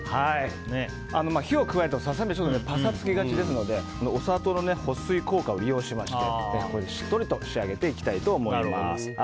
火を加えるとササミはパサつきがちですのでお砂糖の保水効果を利用しましてしっとりと仕上げていきたいと思います。